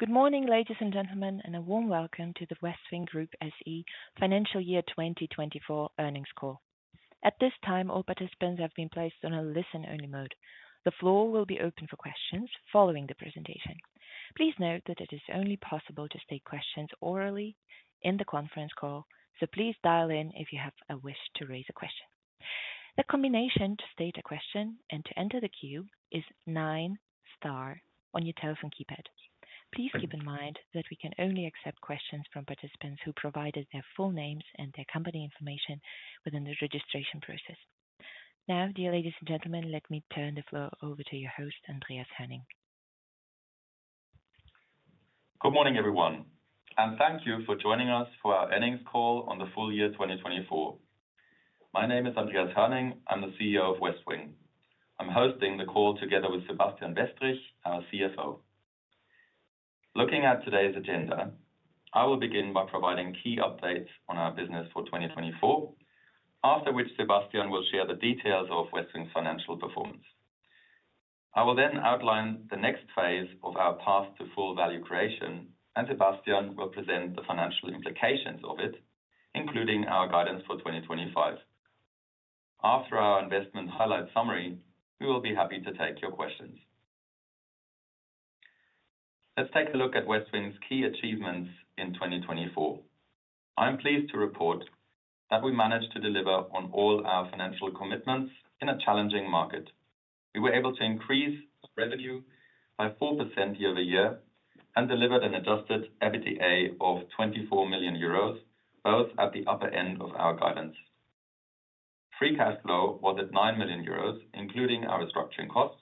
Good morning, ladies and gentlemen, and a warm welcome to the Westwing Group SE Financial Year 2024 Earnings Call. At this time, all participants have been placed on a listen-only mode. The floor will be open for questions following the presentation. Please note that it is only possible to state questions orally in the conference call, so please dial in if you have a wish to raise a question. The combination to state a question and to enter the queue is nine-star on your telephone keypad. Please keep in mind that we can only accept questions from participants who provided their full names and their company information within the registration process. Now, dear ladies and gentlemen, let me turn the floor over to your host, Andreas Hoerning. Good morning, everyone, and thank you for joining us for our earnings call on the full year 2024. My name is Andreas Hoerning. I'm the CEO of Westwing. I'm hosting the call together with Sebastian Westrich, our CFO. Looking at today's agenda, I will begin by providing key updates on our business for 2024, after which Sebastian will share the details of Westwing's financial performance. I will then outline the next phase of our path to full value creation, and Sebastian will present the financial implications of it, including our guidance for 2025. After our investment highlight summary, we will be happy to take your questions. Let's take a look at Westwing's key achievements in 2024. I'm pleased to report that we managed to deliver on all our financial commitments in a challenging market. We were able to increase revenue by 4% year-over-year and delivered an adjusted EBITDA of 24 million euros, both at the upper end of our guidance. Free cash flow was at 9 million euros, including our restructuring costs,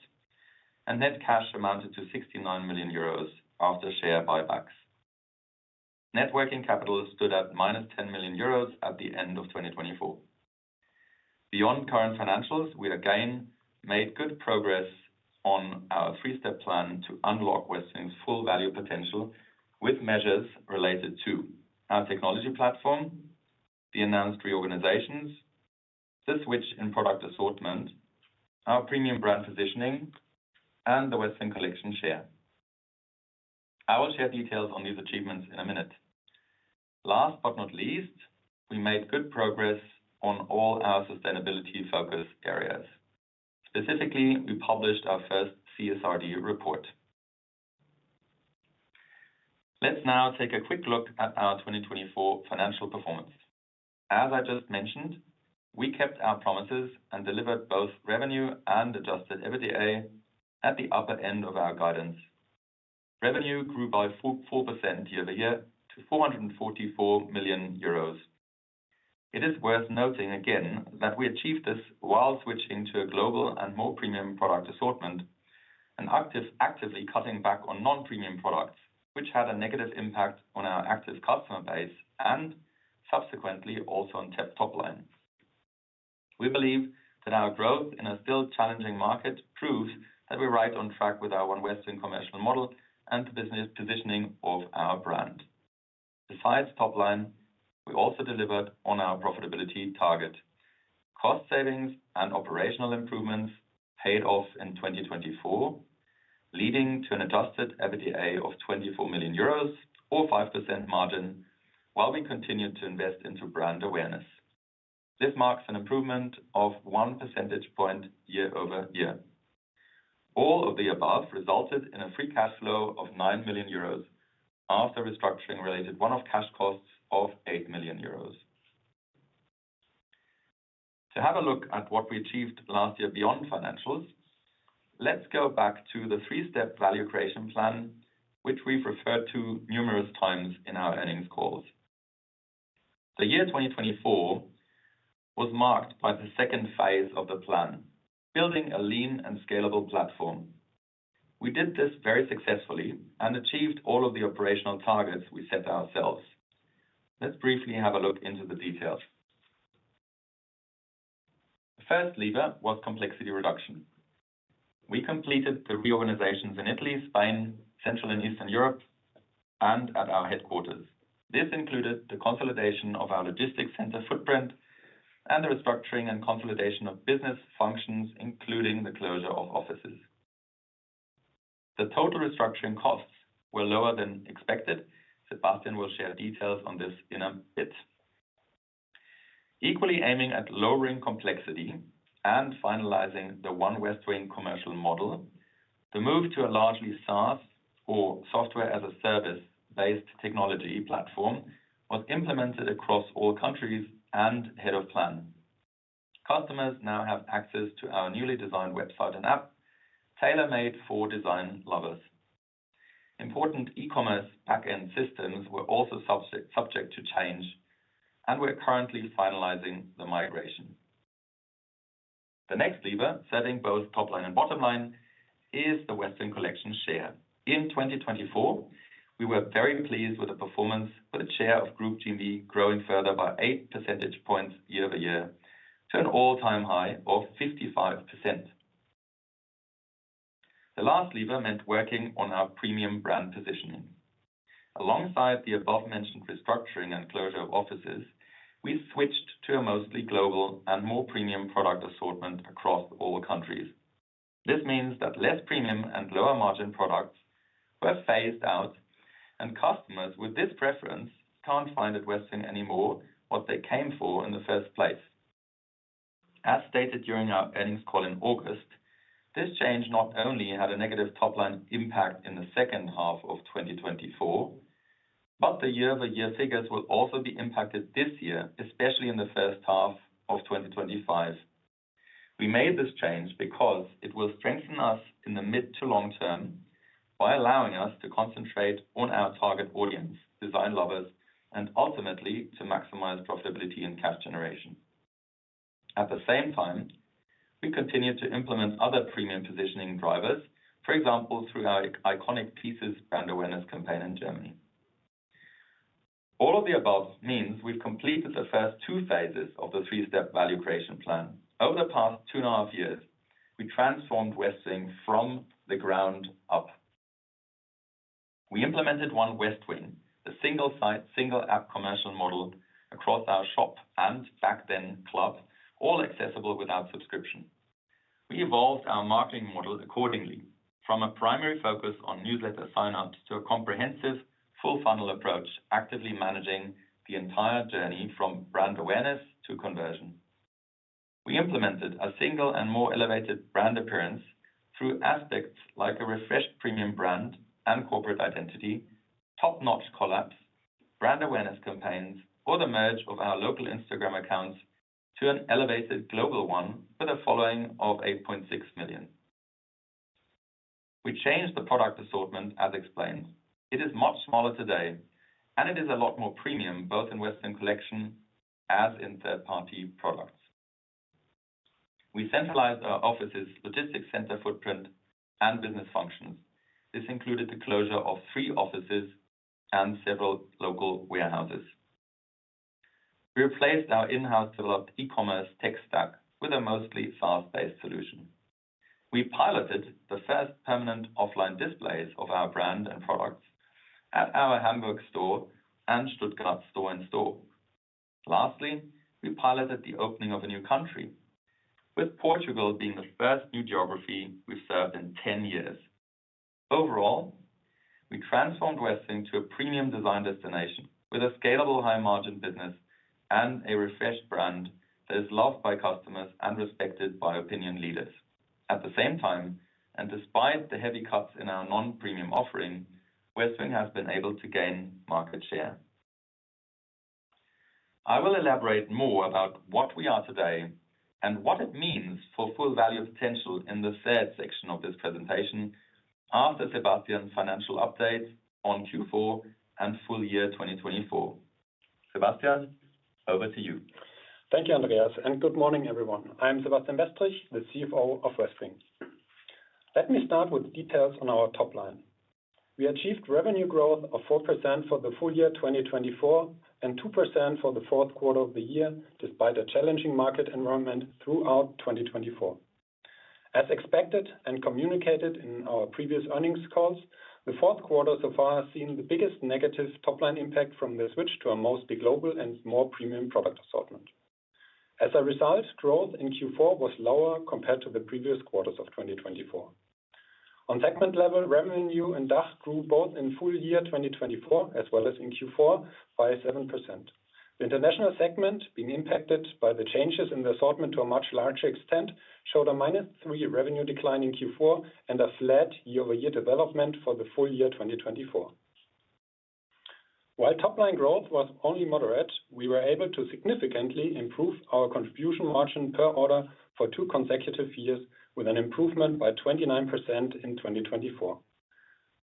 and net cash amounted to 69 million euros after share buybacks. Working capital stood at negative 10 million euros at the end of 2024. Beyond current financials, we again made good progress on our three-step plan to unlock Westwing's full value potential with measures related to our technology platform, the announced reorganizations, the switch in product assortment, our premium brand positioning, and the Westwing Collection share. I will share details on these achievements in a minute. Last but not least, we made good progress on all our sustainability focus areas. Specifically, we published our first CSRD report. Let's now take a quick look at our 2024 financial performance. As I just mentioned, we kept our promises and delivered both revenue and adjusted EBITDA at the upper end of our guidance. Revenue grew by 4% year-over-year to 444 million euros. It is worth noting again that we achieved this while switching to a global and more premium product assortment and actively cutting back on non-premium products, which had a negative impact on our active customer base and subsequently also on top line. We believe that our growth in a still challenging market proves that we're right on track with our One Westwing commercial model and the business positioning of our brand. Besides top line, we also delivered on our profitability target. Cost savings and operational improvements paid off in 2024, leading to an adjusted EBITDA of 24 million euros or 5% margin while we continued to invest into brand awareness. This marks an improvement of one percentage point year-over-year. All of the above resulted in a free cash flow of 9 million euros after restructuring related one-off cash costs of 8 million euros. To have a look at what we achieved last year beyond financials, let's go back to the three-step value creation plan, which we've referred to numerous times in our earnings calls. The year 2024 was marked by the second phase of the plan, building a lean and scalable platform. We did this very successfully and achieved all of the operational targets we set ourselves. Let's briefly have a look into the details. The first lever was complexity reduction. We completed the reorganizations in Italy, Spain, Central and Eastern Europe, and at our headquarters. This included the consolidation of our logistics center footprint and the restructuring and consolidation of business functions, including the closure of offices. The total restructuring costs were lower than expected. Sebastian will share details on this in a bit. Equally aiming at lowering complexity and finalizing the One Westwing commercial model, the move to a largely SaaS or software as a service-based technology platform was implemented across all countries and ahead of plan. Customers now have access to our newly designed website and app, tailor-made for design lovers. Important e-commerce back-end systems were also subject to change, and we're currently finalizing the migration. The next lever, setting both top line and bottom line, is the Westwing Collection share. In 2024, we were very pleased with the performance, with the share of Group GMV growing further by eight percentage points year-over-year to an all-time high of 55%. The last lever meant working on our premium brand positioning. Alongside the above-mentioned restructuring and closure of offices, we switched to a mostly global and more premium product assortment across all countries. This means that less premium and lower margin products were phased out, and customers with this preference can't find at Westwing anymore what they came for in the first place. As stated during our earnings call in August, this change not only had a negative top line impact in the second half of 2024, but the year-over-year figures will also be impacted this year, especially in the first half of 2025. We made this change because it will strengthen us in the mid to long term by allowing us to concentrate on our target audience, design lovers, and ultimately to maximize profitability and cash generation. At the same time, we continue to implement other premium positioning drivers, for example, through our iconic Pieces brand awareness campaign in Germany. All of the above means we've completed the first two phases of the three-step value creation plan. Over the past two and a half years, we transformed Westwing from the ground up. We implemented One Westwing, the single-site, single-app commercial model across our shop and back-then club, all accessible without subscription. We evolved our marketing model accordingly, from a primary focus on newsletter sign-ups to a comprehensive full-funnel approach, actively managing the entire journey from brand awareness to conversion. We implemented a single and more elevated brand appearance through aspects like a refreshed premium brand and corporate identity, top-notch collabs, brand awareness campaigns, or the merge of our local Instagram accounts to an elevated global one with a following of 8.6 million. We changed the product assortment, as explained. It is much smaller today, and it is a lot more premium, both in Westwing Collection as in third-party products. We centralized our offices, logistics center footprint, and business functions. This included the closure of three offices and several local warehouses. We replaced our in-house developed e-commerce tech stack with a mostly SaaS-based solution. We piloted the first permanent offline displays of our brand and products at our Hamburg store and Stuttgart store-in-store. Lastly, we piloted the opening of a new country, with Portugal being the first new geography we've served in 10 years. Overall, we transformed Westwing to a premium design destination with a scalable high-margin business and a refreshed brand that is loved by customers and respected by opinion leaders. At the same time, and despite the heavy cuts in our non-premium offering, Westwing has been able to gain market share. I will elaborate more about what we are today and what it means for full value potential in the third section of this presentation after Sebastian's financial updates on Q4 and full year 2024. Sebastian, over to you. Thank you, Andreas, and good morning, everyone. I'm Sebastian Westrich, the CFO of Westwing. Let me start with details on our top line. We achieved revenue growth of 4% for the full year 2024 and 2% for the Q4 of the year, despite a challenging market environment throughout 2024. As expected and communicated in our previous earnings calls, the Q4 so far has seen the biggest negative top line impact from the switch to a mostly global and more premium product assortment. As a result, growth in Q4 was lower compared to the previous quarters of 2024. On segment level, revenue and DACH grew both in full year 2024 as well as in Q4 by 7%. The international segment, being impacted by the changes in the assortment to a much larger extent, showed a -3% revenue decline in Q4 and a flat year-over-year development for the full year 2024. While top line growth was only moderate, we were able to significantly improve our contribution margin per order for two consecutive years, with an improvement by 29% in 2024.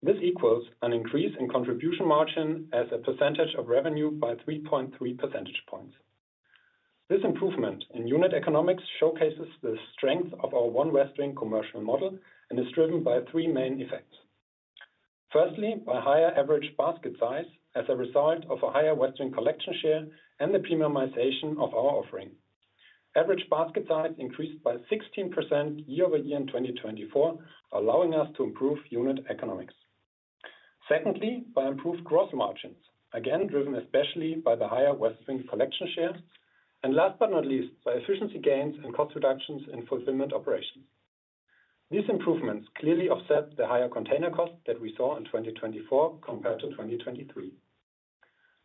This equals an increase in contribution margin as a percentage of revenue by 3.3 percentage points. This improvement in unit economics showcases the strength of our One Westwing commercial model and is driven by three main effects. Firstly, by higher average basket size as a result of a higher Westwing collection share and the premiumization of our offering. Average basket size increased by 16% year-over-year in 2024, allowing us to improve unit economics. Secondly, by improved gross margins, again driven especially by the higher Westwing Collection share. Last but not least, by efficiency gains and cost reductions in fulfillment operations. These improvements clearly offset the higher container cost that we saw in 2024 compared to 2023.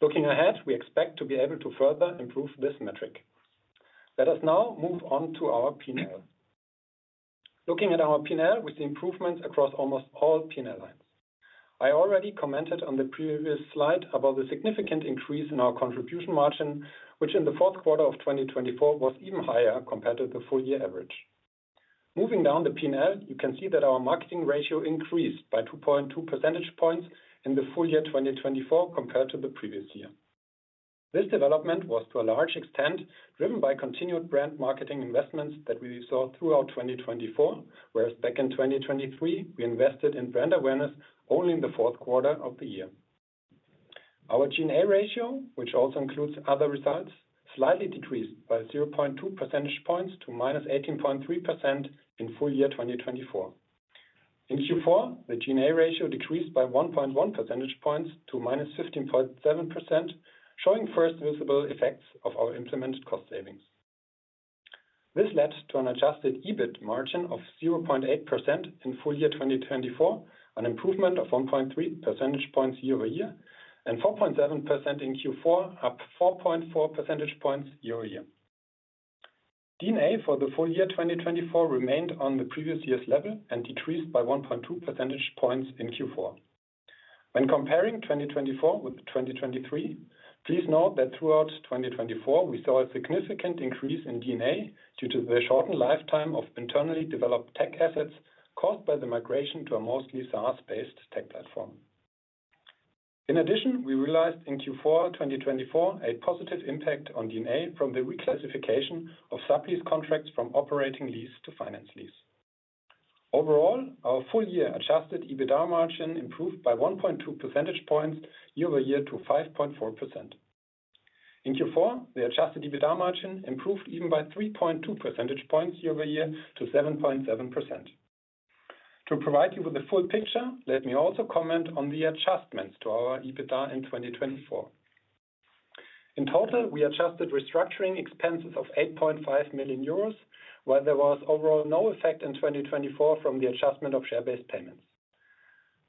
Looking ahead, we expect to be able to further improve this metric. Let us now move on to our P&L. Looking at our P&L with the improvements across almost all P&L lines. I already commented on the previous slide about the significant increase in our contribution margin, which in the Q4 of 2024 was even higher compared to the full year average. Moving down the P&L, you can see that our marketing ratio increased by 2.2 percentage points in the full year 2024 compared to the previous year. This development was to a large extent driven by continued brand marketing investments that we saw throughout 2024, whereas back in 2023, we invested in brand awareness only in the Q4 of the year. Our G&A ratio, which also includes other results, slightly decreased by 0.2 percentage points to -18.3% in full year 2024. In Q4, the G&A ratio decreased by 1.1 percentage points to -15.7%, showing first visible effects of our implemented cost savings. This led to an adjusted EBIT margin of 0.8% in full year 2024, an improvement of 1.3 percentage points year-over-year, and 4.7% in Q4, up 4.4 percentage points year-over-year. D&A for the full year 2024 remained on the previous year's level and decreased by 1.2 percentage points in Q4. When comparing 2024 with 2023, please note that throughout 2024, we saw a significant increase in D&A due to the shortened lifetime of internally developed tech assets caused by the migration to a mostly SaaS-based tech platform. In addition, we realized in Q4 2024 a positive impact on D&A from the reclassification of sublease contracts from operating lease to finance lease. Overall, our full year adjusted EBITDA margin improved by 1.2 percentage points year-over-year to 5.4%. In Q4, the adjusted EBITDA margin improved even by 3.2 percentage points year-over-year to 7.7%. To provide you with the full picture, let me also comment on the adjustments to our EBITDA in 2024. In total, we adjusted restructuring expenses of 8.5 million euros, while there was overall no effect in 2024 from the adjustment of share-based payments.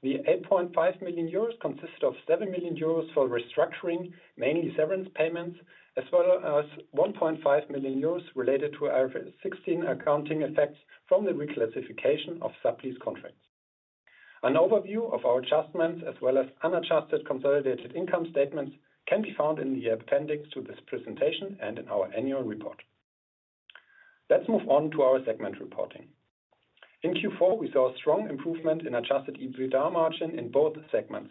The 8.5 million euros consisted of 7 million euros for restructuring, mainly severance payments, as well as 1.5 million euros related to our IFRS 16 accounting effects from the reclassification of sublease contracts. An overview of our adjustments, as well as unadjusted consolidated income statements, can be found in the appendix to this presentation and in our annual report. Let's move on to our segment reporting. In Q4, we saw a strong improvement in adjusted EBITDA margin in both segments.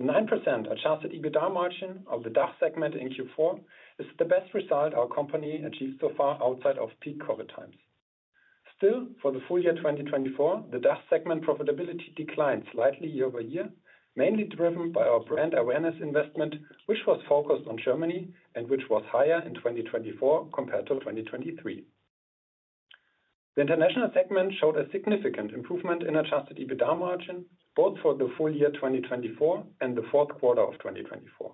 The 9% adjusted EBITDA margin of the DACH segment in Q4 is the best result our company achieved so far outside of peak COVID times. Still, for the full year 2024, the DACH segment profitability declined slightly year-over-year, mainly driven by our brand awareness investment, which was focused on Germany and which was higher in 2024 compared to 2023. The international segment showed a significant improvement in adjusted EBITDA margin, both for the full year 2024 and the Q4 of 2024.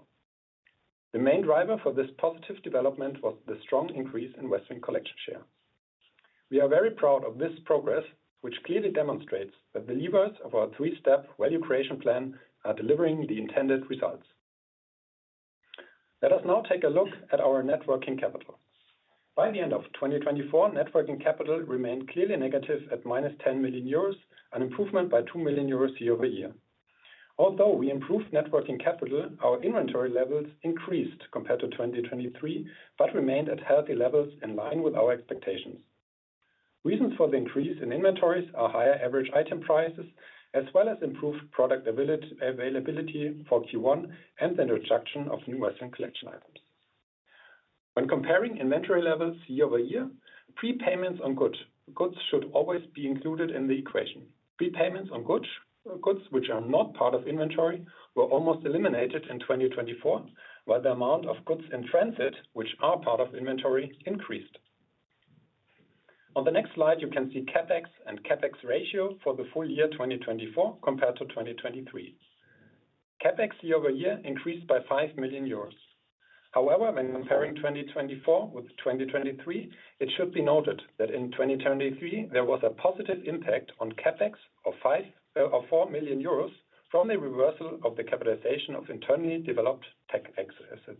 The main driver for this positive development was the strong increase in Westwing Collection share. We are very proud of this progress, which clearly demonstrates that the levers of our three-step value creation plan are delivering the intended results. Let us now take a look at our working capital. By the end of 2024, working capital remained clearly negative at 10 million euros, an improvement by 2 million euros year-over-year. Although we improved working capital, our inventory levels increased compared to 2023, but remained at healthy levels in line with our expectations. Reasons for the increase in inventories are higher average item prices, as well as improved product availability for Q1 and the introduction of new Westwing Collection items. When comparing inventory levels year-over-year, prepayments on goods should always be included in the equation. Prepayments on goods, which are not part of inventory, were almost eliminated in 2024, while the amount of goods in transit, which are part of inventory, increased. On the next slide, you can see CapEx and CapEx ratio for the full year 2024 compared to 2023. CapEx year-over-year increased by 5 million euros. However, when comparing 2024 with 2023, it should be noted that in 2023, there was a positive impact on CapEx of 4 million euros from the reversal of the capitalization of internally developed tech assets.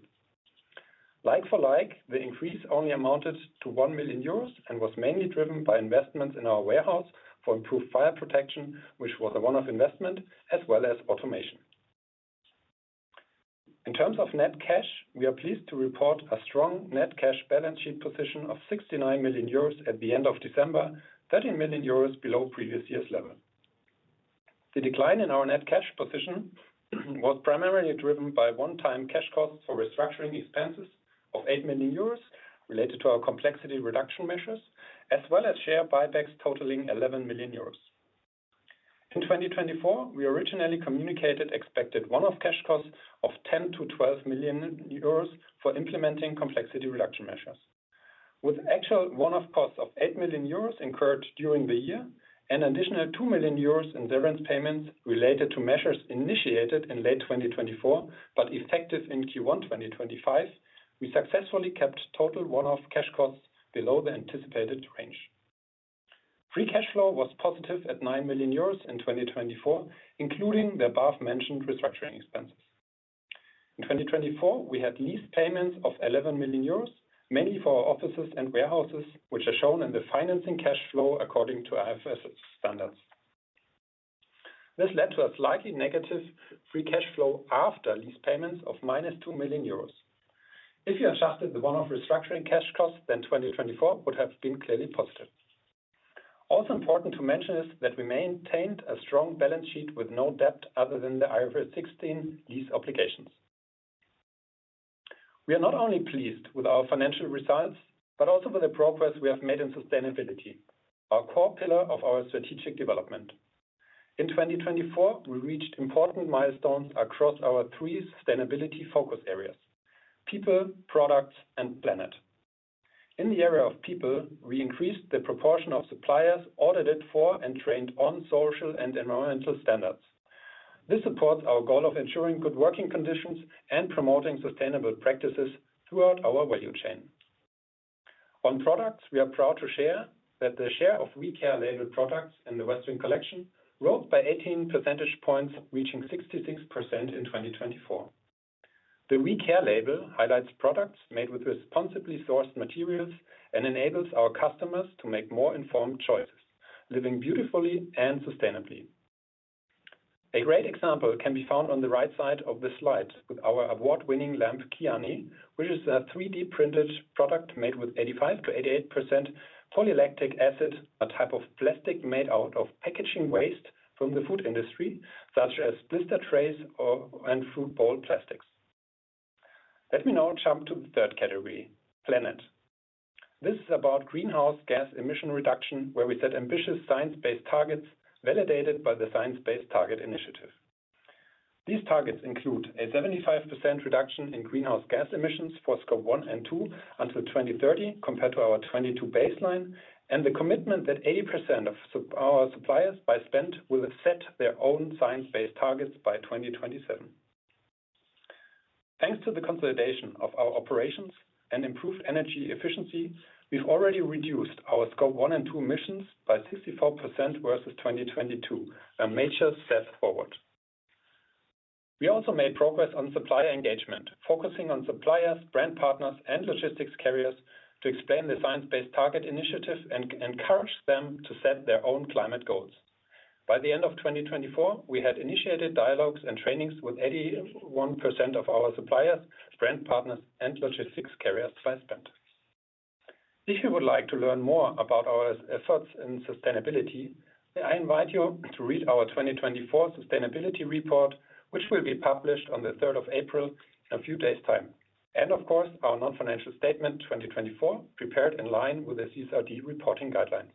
Like for like, the increase only amounted to 1 million euros and was mainly driven by investments in our warehouse for improved fire protection, which was a one-off investment, as well as automation. In terms of net cash, we are pleased to report a strong net cash balance sheet position of 69 million euros at the end of December, 13 million euros below previous year's level. The decline in our net cash position was primarily driven by one-time cash costs for restructuring expenses of 8 million euros related to our complexity reduction measures, as well as share buybacks totaling 11 million euros. In 2024, we originally communicated expected one-off cash costs of 10-12 million euros for implementing complexity reduction measures. With actual one-off costs of 8 million euros incurred during the year and additional 2 million euros in severance payments related to measures initiated in late 2024 but effective in Q1 2025, we successfully kept total one-off cash costs below the anticipated range. Free cash flow was positive at 9 million euros in 2024, including the above-mentioned restructuring expenses. In 2024, we had lease payments of 11 million euros, mainly for our offices and warehouses, which are shown in the financing cash flow according to IFRS standards. This led to a slightly negative free cash flow after lease payments of minus 2 million euros. If we adjusted the one-off restructuring cash costs, then 2024 would have been clearly positive. Also important to mention is that we maintained a strong balance sheet with no debt other than the IFRS 16 lease obligations. We are not only pleased with our financial results, but also with the progress we have made in sustainability, our core pillar of our strategic development. In 2024, we reached important milestones across our three sustainability focus areas: people, products, and planet. In the area of people, we increased the proportion of suppliers audited for and trained on social and environmental standards. This supports our goal of ensuring good working conditions and promoting sustainable practices throughout our value chain. On products, we are proud to share that the share of We Care labeled products in the Westwing Collection rose by 18 percentage points, reaching 66% in 2024. The We Care label highlights products made with responsibly sourced materials and enables our customers to make more informed choices, living beautifully and sustainably. A great example can be found on the right side of this slide with our award-winning lamp, Kiani, which is a 3D printed product made with 85%-88% polylactic acid, a type of plastic made out of packaging waste from the food industry, such as blister trays and food bowl plastics. Let me now jump to the third category, planet. This is about greenhouse gas emission reduction, where we set ambitious science-based targets validated by the Science Based Target Initiative. These targets include a 75% reduction in greenhouse gas emissions for scope 1 and 2 until 2030 compared to our 2022 baseline, and the commitment that 80% of our suppliers by spend will set their own science-based targets by 2027. Thanks to the consolidation of our operations and improved energy efficiency, we've already reduced our scope 1 and 2 emissions by 64% versus 2022, a major step forward. We also made progress on supplier engagement, focusing on suppliers, brand partners, and logistics carriers to explain the Science Based Target Initiative and encourage them to set their own climate goals. By the end of 2024, we had initiated dialogues and trainings with 81% of our suppliers, brand partners, and logistics carriers by spend. If you would like to learn more about our efforts in sustainability, I invite you to read our 2024 sustainability report, which will be published on the 3rd of April in a few days' time. Of course, our non-financial statement 2024, prepared in line with the CSRD reporting guidelines.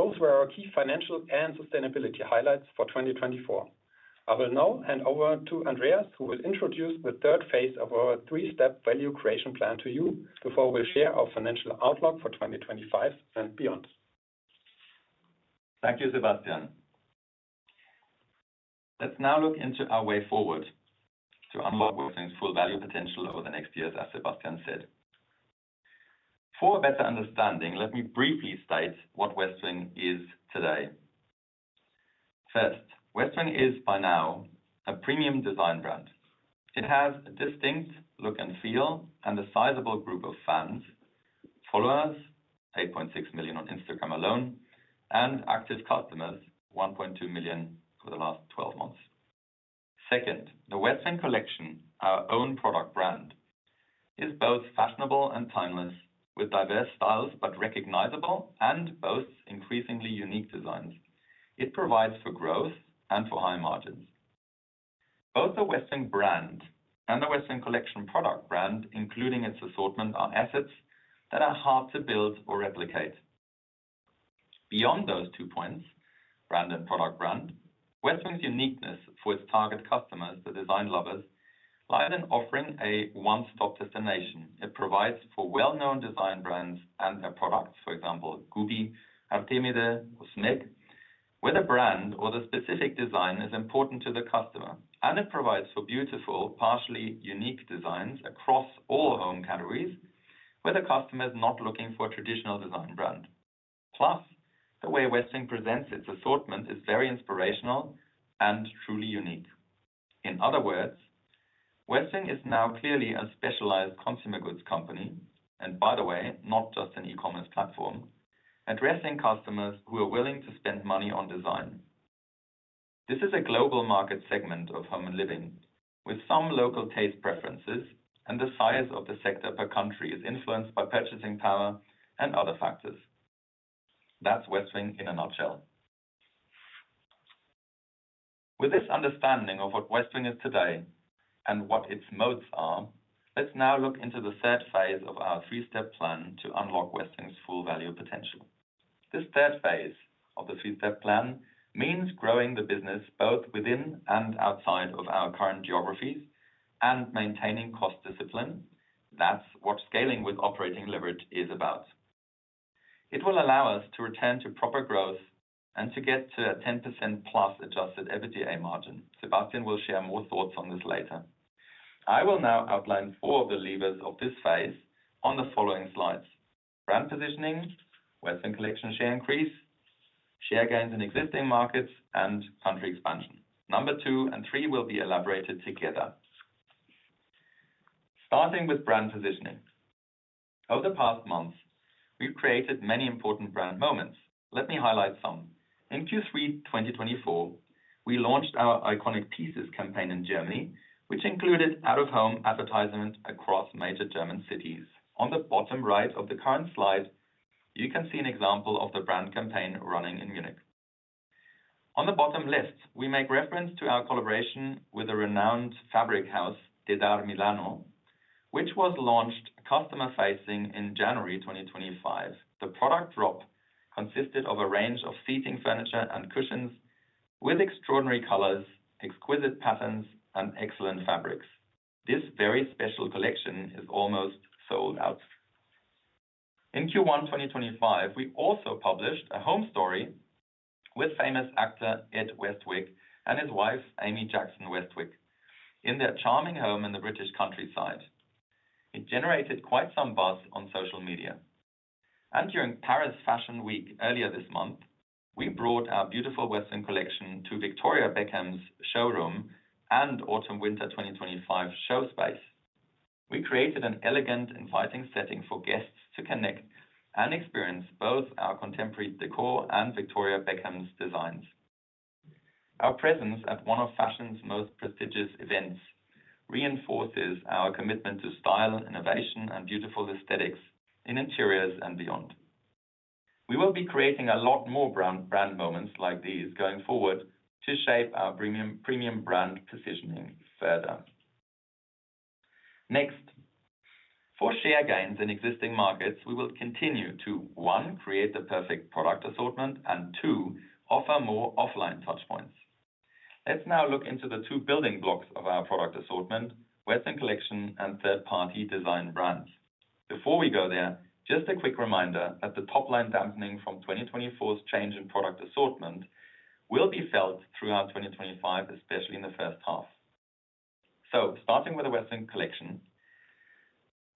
Those were our key financial and sustainability highlights for 2024. I will now hand over to Andreas, who will introduce the third phase of our three-step value creation plan to you before we share our financial outlook for 2025 and beyond. Thank you, Sebastian. Let's now look into our way forward to unlock Westwing's full value potential over the next years, as Sebastian said. For a better understanding, let me briefly state what Westwing is today. First, Westwing is by now a premium design brand. It has a distinct look and feel and a sizable group of fans, followers, 8.6 million on Instagram alone, and active customers, 1.2 million over the last 12 months. Second, the Westwing Collection, our own product brand, is both fashionable and timeless, with diverse styles but recognizable, and boasts increasingly unique designs. It provides for growth and for high margins. Both the Westwing brand and the Westwing Collection product brand, including its assortment, are assets that are hard to build or replicate. Beyond those two points, brand and product brand, Westwing's uniqueness for its target customers, the design lovers, lies in offering a one-stop destination. It provides for well-known design brands and their products, for example, Gubi, Artemide, or Smeg, where the brand or the specific design is important to the customer. It provides for beautiful, partially unique designs across all home categories, where the customer is not looking for a traditional design brand. Plus, the way Westwing presents its assortment is very inspirational and truly unique. In other words, Westwing is now clearly a specialized consumer goods company, and by the way, not just an e-commerce platform, addressing customers who are willing to spend money on design. This is a global market segment of home and living, with some local taste preferences, and the size of the sector per country is influenced by purchasing power and other factors. That is Westwing in a nutshell. With this understanding of what Westwing is today and what its moats are, let's now look into the third phase of our three-step plan to unlock Westwing's full value potential. This third phase of the three-step plan means growing the business both within and outside of our current geographies and maintaining cost discipline. That is what scaling with operating leverage is about. It will allow us to return to proper growth and to get to a 10%+ adjusted EBITDA margin. Sebastian will share more thoughts on this later. I will now outline four of the levers of this phase on the following slides: brand positioning, Westwing Collection share increase, share gains in existing markets, and country expansion. Number two and three will be elaborated together. Starting with brand positioning. Over the past month, we have created many important brand moments. Let me highlight some. In Q3 2024, we launched our iconic pieces campaign in Germany, which included out-of-home advertisement across major German cities. On the bottom right of the current slide, you can see an example of the brand campaign running in Munich. On the bottom left, we make reference to our collaboration with a renowned fabric house, Dedar Milano, which was launched customer-facing in January 2025. The product drop consisted of a range of seating furniture and cushions with extraordinary colors, exquisite patterns, and excellent fabrics. This very special collection is almost sold out. In Q1 2025, we also published a home story with famous actor Ed Westwick and his wife, Amy Jackson Westwick, in their charming home in the British countryside. It generated quite some buzz on social media. During Paris Fashion Week earlier this month, we brought our beautiful Westwing Collection to Victoria Beckham's showroom and Autumn Winter 2025 show space. We created an elegant, inviting setting for guests to connect and experience both our contemporary decor and Victoria Beckham's designs. Our presence at one of fashion's most prestigious events reinforces our commitment to style, innovation, and beautiful aesthetics in interiors and beyond. We will be creating a lot more brand moments like these going forward to shape our premium brand positioning further. Next, for share gains in existing markets, we will continue to, one, create the perfect product assortment, and two, offer more offline touch-points. Let's now look into the two building blocks of our product assortment, Westwing Collection and third-party design brands. Before we go there, just a quick reminder that the top-line dampening from 2024's change in product assortment will be felt throughout 2025, especially in the first half. Starting with the Westwing Collection,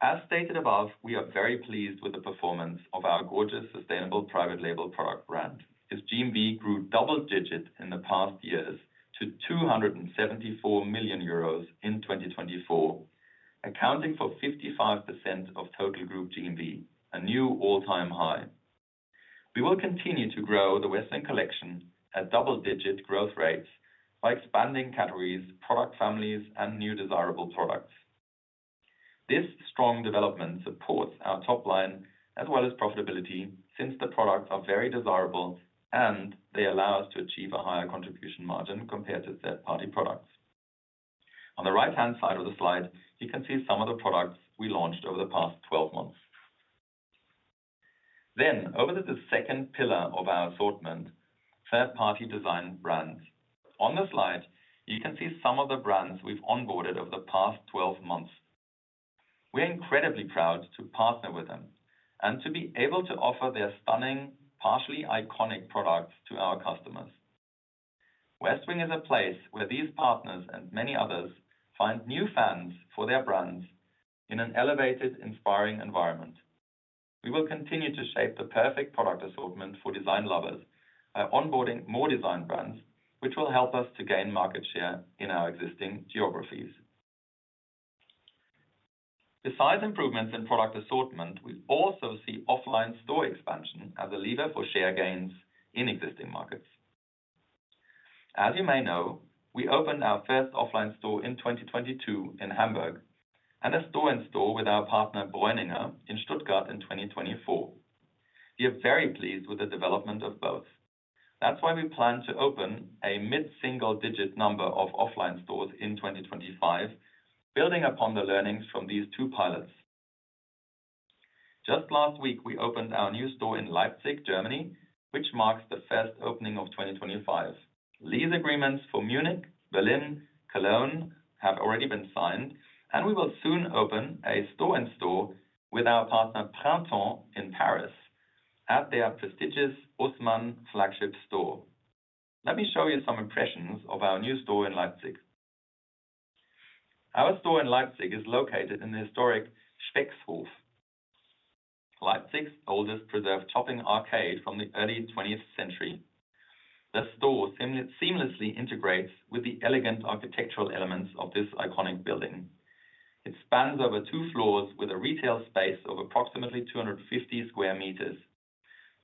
as stated above, we are very pleased with the performance of our gorgeous sustainable private label product brand. Its GMV grew double-digit in the past years to 274 million euros in 2024, accounting for 55% of total group GMV, a new all-time high. We will continue to grow the Westwing Collection at double-digit growth rates by expanding categories, product families, and new desirable products. This strong development supports our top line as well as profitability since the products are very desirable and they allow us to achieve a higher contribution margin compared to third-party products. On the right-hand side of the slide, you can see some of the products we launched over the past 12 months. Over to the second pillar of our assortment, third-party design brands. On the slide, you can see some of the brands we've on-boarded over the past 12 months. We are incredibly proud to partner with them and to be able to offer their stunning, partially iconic products to our customers. Westwing is a place where these partners and many others find new fans for their brands in an elevated, inspiring environment. We will continue to shape the perfect product assortment for design lovers by onboarding more design brands, which will help us to gain market share in our existing geographies. Besides improvements in product assortment, we also see offline store expansion as a lever for share gains in existing markets. As you may know, we opened our first offline store in 2022 in Hamburg and a store-in-store with our partner Breuninger in Stuttgart in 2024. We are very pleased with the development of both. That's why we plan to open a mid-single-digit number of offline stores in 2025, building upon the learnings from these two pilots. Just last week, we opened our new store in Leipzig, Germany, which marks the first opening of 2025. Lease agreements for Munich, Berlin, and Cologne have already been signed, and we will soon open a store in store with our partner Printemps in Paris at their prestigious Haussmann flagship store. Let me show you some impressions of our new store in Leipzig. Our store in Leipzig is located in the historic Specks Hof, Leipzig's oldest preserved shopping arcade from the early 20th century. The store seamlessly integrates with the elegant architectural elements of this iconic building. It spans over two floors with a retail space of approximately 250 sq m.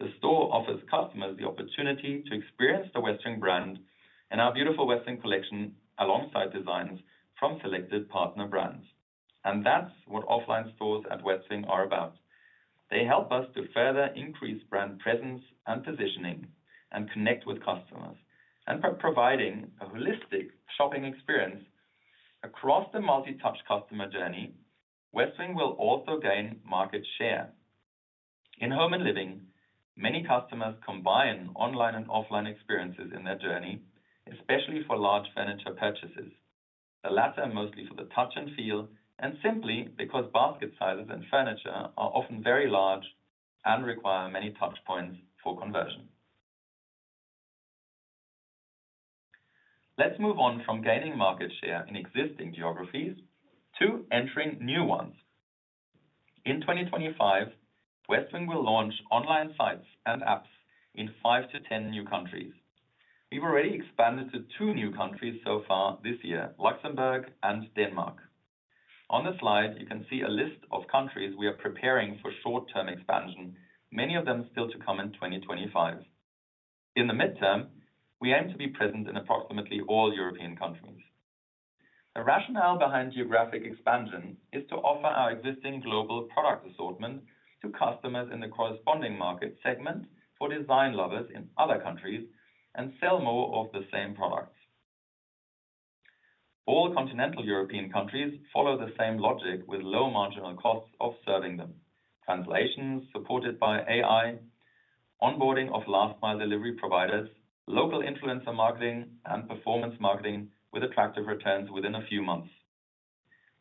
The store offers customers the opportunity to experience the Westwing brand and our beautiful Westwing Collection alongside designs from selected partner brands. That is what offline stores at Westwing are about. They help us to further increase brand presence and positioning and connect with customers. By providing a holistic shopping experience across the multi-touch customer journey, Westwing will also gain market share. In home and living, many customers combine online and offline experiences in their journey, especially for large furniture purchases. The latter mostly for the touch and feel and simply because basket sizes and furniture are often very large and require many touch points for conversion. Let's move on from gaining market share in existing geographies to entering new ones. In 2025, Westwing will launch online sites and apps in five to ten new countries. We've already expanded to two new countries so far this year, Luxembourg and Denmark. On the slide, you can see a list of countries we are preparing for short-term expansion, many of them still to come in 2025. In the midterm, we aim to be present in approximately all European countries. The rationale behind geographic expansion is to offer our existing global product assortment to customers in the corresponding market segment for design lovers in other countries and sell more of the same products. All continental European countries follow the same logic with low marginal costs of serving them. Translations supported by AI, onboarding of last-mile delivery providers, local influencer marketing, and performance marketing with attractive returns within a few months.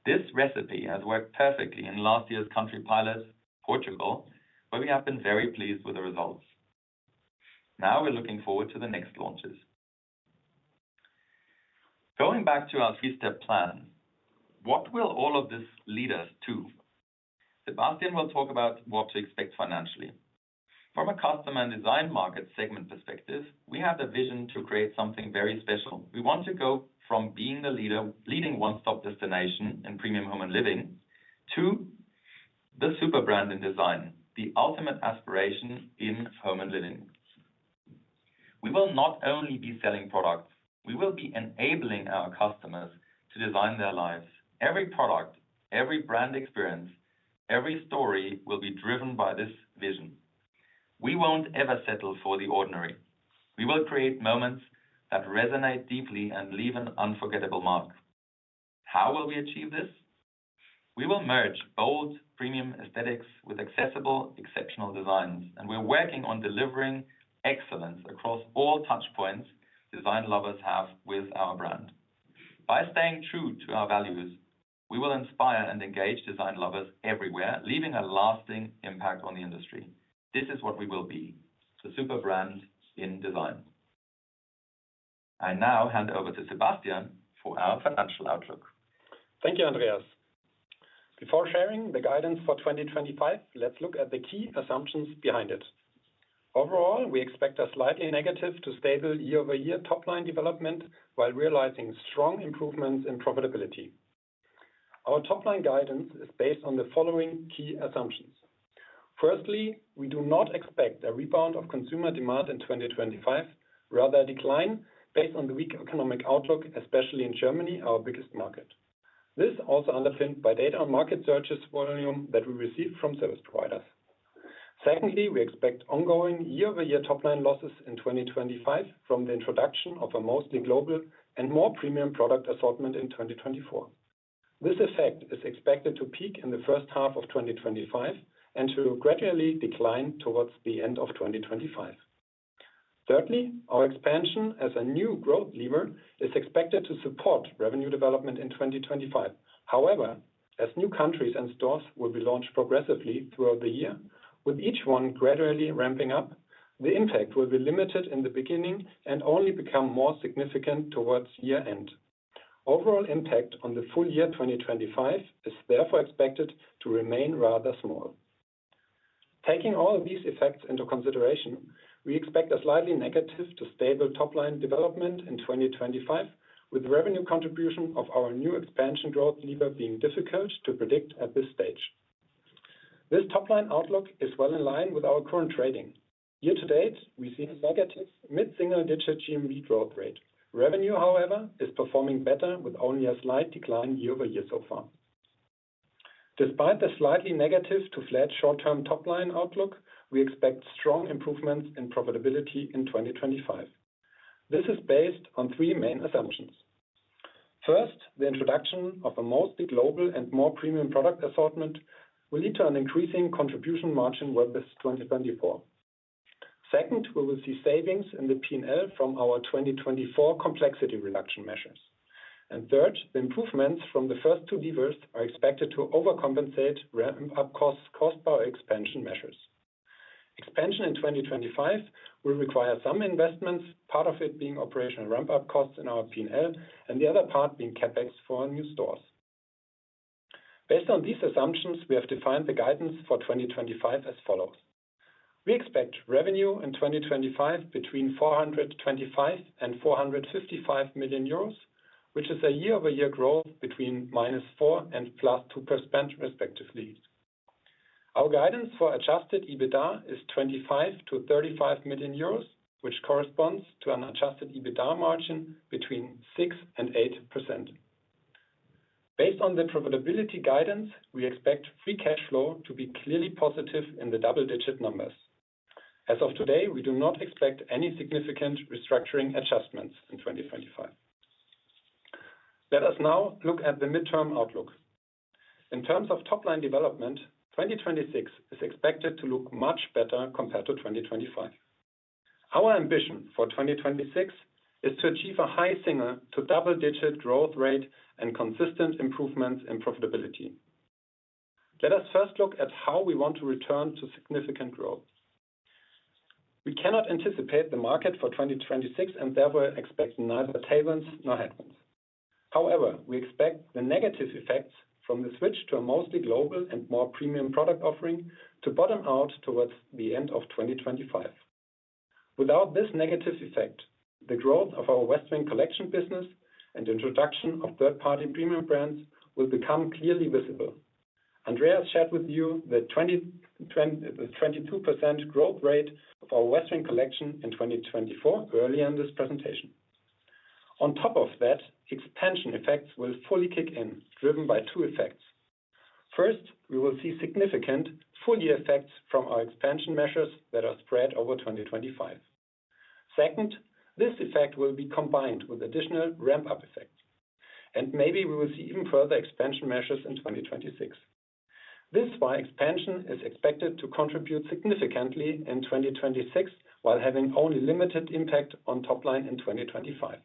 This recipe has worked perfectly in last year's country pilot, Portugal, where we have been very pleased with the results. Now we're looking forward to the next launches. Going back to our three-step plan, what will all of this lead us to? Sebastian will talk about what to expect financially. From a customer and design market segment perspective, we have the vision to create something very special. We want to go from being the leading one-stop destination in premium home and living to the super brand in design, the ultimate aspiration in home and living. We will not only be selling products; we will be enabling our customers to design their lives. Every product, every brand experience, every story will be driven by this vision. We will not ever settle for the ordinary. We will create moments that resonate deeply and leave an unforgettable mark. How will we achieve this? We will merge bold, premium aesthetics with accessible, exceptional designs, and we are working on delivering excellence across all touch-points design lovers have with our brand. By staying true to our values, we will inspire and engage design lovers everywhere, leaving a lasting impact on the industry. This is what we will be: the super brand in design. I now hand over to Sebastian for our financial outlook. Thank you, Andreas. Before sharing the guidance for 2025, let's look at the key assumptions behind it. Overall, we expect a slightly negative to stable year-over-year top-line development while realizing strong improvements in profitability. Our top-line guidance is based on the following key assumptions. Firstly, we do not expect a rebound of consumer demand in 2025, rather a decline based on the weak economic outlook, especially in Germany, our biggest market. This is also underpinned by data on market searches volume that we received from service providers. Secondly, we expect ongoing year-over-year top-line losses in 2025 from the introduction of a mostly global and more premium product assortment in 2024. This effect is expected to peak in the first half of 2025 and to gradually decline towards the end of 2025. Thirdly, our expansion as a new growth lever is expected to support revenue development in 2025. However, as new countries and stores will be launched progressively throughout the year, with each one gradually ramping up, the impact will be limited in the beginning and only become more significant towards year-end. Overall impact on the full year 2025 is therefore expected to remain rather small. Taking all these effects into consideration, we expect a slightly negative to stable top-line development in 2025, with the revenue contribution of our new expansion growth lever being difficult to predict at this stage. This top-line outlook is well in line with our current trading. Year to date, we see a negative mid-single-digit GMV growth rate. Revenue, however, is performing better with only a slight decline year-over-year so far. Despite the slightly negative to flat short-term top-line outlook, we expect strong improvements in profitability in 2025. This is based on three main assumptions. First, the introduction of a mostly global and more premium product assortment will lead to an increasing contribution margin well past 2024. Second, we will see savings in the P&L from our 2024 complexity reduction measures. Third, the improvements from the first two levers are expected to overcompensate ramp-up costs caused by expansion measures. Expansion in 2025 will require some investments, part of it being operational ramp-up costs in our P&L and the other part being CapEx for new stores. Based on these assumptions, we have defined the guidance for 2025 as follows. We expect revenue in 2025 between 425 million and 455 million euros, which is a year-over-year growth between -4% and +2%, respectively. Our guidance for adjusted EBITDA is 25-35 million euros, which corresponds to an adjusted EBITDA margin between 6%-8%. Based on the profitability guidance, we expect free cash flow to be clearly positive in the double-digit numbers. As of today, we do not expect any significant restructuring adjustments in 2025. Let us now look at the midterm outlook. In terms of top-line development, 2026 is expected to look much better compared to 2025. Our ambition for 2026 is to achieve a high single to double-digit growth rate and consistent improvements in profitability. Let us first look at how we want to return to significant growth. We cannot anticipate the market for 2026 and therefore expect neither tailwinds nor headwinds. However, we expect the negative effects from the switch to a mostly global and more premium product offering to bottom out towards the end of 2025. Without this negative effect, the growth of our Westwing Collection business and the introduction of third-party premium brands will become clearly visible. Andreas shared with you the 22% growth rate of our Westwing Collection in 2024 earlier in this presentation. On top of that, expansion effects will fully kick in, driven by two effects. First, we will see significant full-year effects from our expansion measures that are spread over 2025. Second, this effect will be combined with additional ramp-up effects. Maybe we will see even further expansion measures in 2026. This expansion is expected to contribute significantly in 2026 while having only limited impact on top-line in 2025.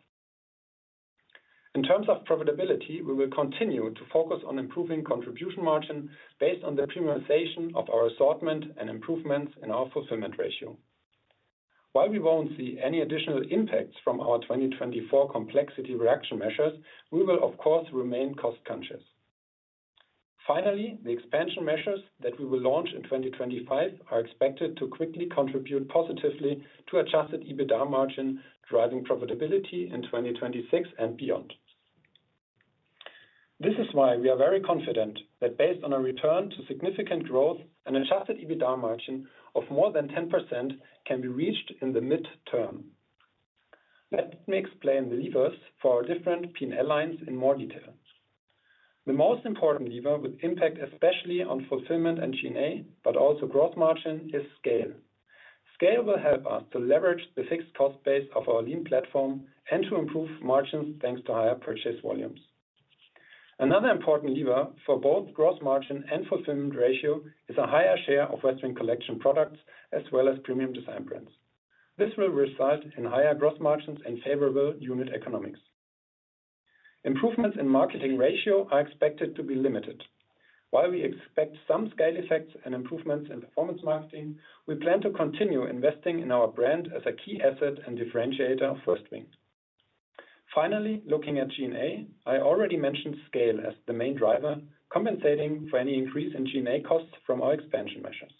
In terms of profitability, we will continue to focus on improving contribution margin based on the premiumisation of our assortment and improvements in our fulfillment ratio. While we won't see any additional impacts from our 2024 complexity reduction measures, we will, of course, remain cost-conscious. Finally, the expansion measures that we will launch in 2025 are expected to quickly contribute positively to adjusted EBITDA margin, driving profitability in 2026 and beyond. This is why we are very confident that based on a return to significant growth, an adjusted EBITDA margin of more than 10% can be reached in the midterm. Let me explain the levers for our different P&L lines in more detail. The most important lever with impact especially on fulfillment and G&A, but also gross margin, is scale. Scale will help us to leverage the fixed cost base of our lean platform and to improve margins thanks to higher purchase volumes. Another important lever for both gross margin and fulfillment ratio is a higher share of Westwing Collection products as well as premium design brands. This will result in higher gross margins and favorable unit economics. Improvements in marketing ratio are expected to be limited. While we expect some scale effects and improvements in performance marketing, we plan to continue investing in our brand as a key asset and differentiator of Westwing. Finally, looking at G&A, I already mentioned scale as the main driver, compensating for any increase in G&A costs from our expansion measures.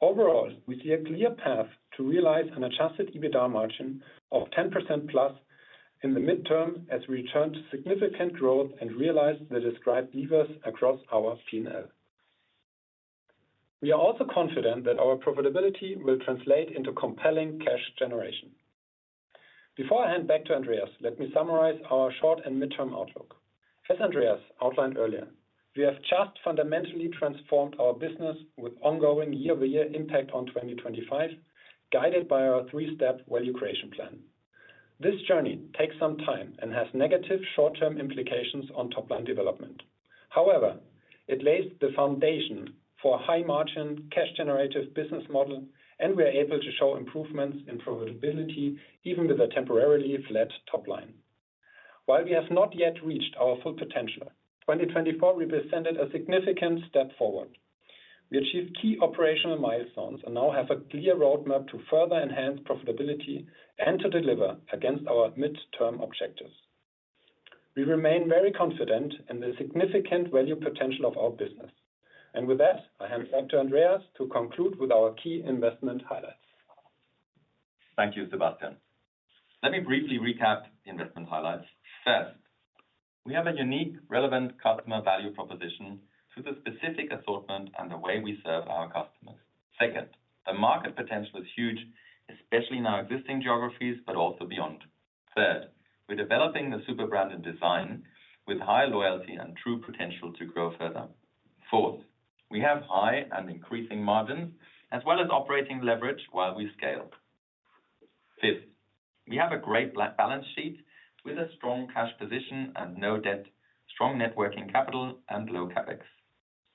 Overall, we see a clear path to realize an adjusted EBITDA margin of 10% plus in the midterm as we return to significant growth and realize the described levers across our P&L. We are also confident that our profitability will translate into compelling cash generation. Before I hand back to Andreas, let me summarize our short and midterm outlook. As Andreas outlined earlier, we have just fundamentally transformed our business with ongoing year-over-year impact on 2025, guided by our three-step value creation plan. This journey takes some time and has negative short-term implications on top-line development. However, it lays the foundation for a high-margin cash-generative business model, and we are able to show improvements in profitability even with a temporarily flat top line. While we have not yet reached our full potential, 2024 represented a significant step forward. We achieved key operational milestones and now have a clear roadmap to further enhance profitability and to deliver against our midterm objectives. We remain very confident in the significant value potential of our business. With that, I hand back to Andreas to conclude with our key investment highlights. Thank you, Sebastian. Let me briefly recap the investment highlights. First, we have a unique, relevant customer value proposition through the specific assortment and the way we serve our customers. Second, the market potential is huge, especially in our existing geographies, but also beyond. Third, we're developing the super brand in design with high loyalty and true potential to grow further. Fourth, we have high and increasing margins as well as operating leverage while we scale. Fifth, we have a great balance sheet with a strong cash position and no debt, strong net working capital, and low CapEx.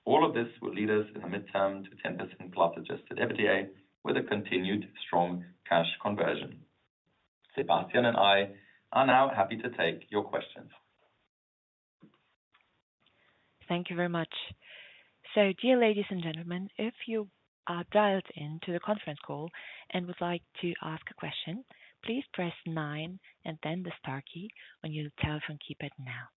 All of this will lead us in the midterm to 10% plus adjusted EBITDA with a continued strong cash conversion. Sebastian and I are now happy to take your questions. Thank you very much. Dear ladies and gentlemen, if you are dialed into the conference call and would like to ask a question, please press nine and then the star key on your telephone keypad now.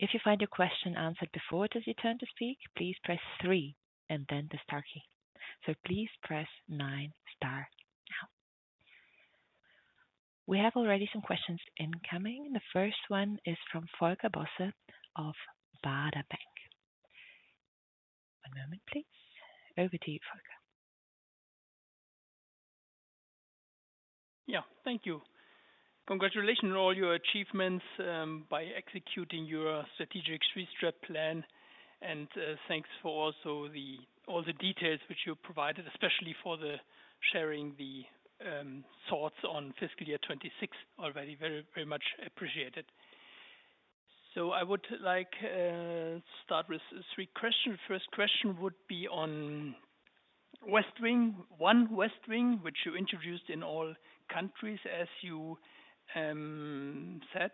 If you find your question answered before it has your turn to speak, please press three and then the star key. Please press nine, star now. We have already some questions incoming. The first one is from Volker Bosse of Baader Bank. One moment, please. Over to you, Volker. Yeah, thank you. Congratulations on all your achievements by executing your strategic three-step plan. Thanks for also all the details which you provided, especially for sharing the thoughts on fiscal year 2026. Already very, very much appreciated. I would like to start with three questions. The first question would be on Westwing, One Westwing, which you introduced in all countries, as you said.